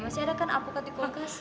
masih ada kan avokat di kulkas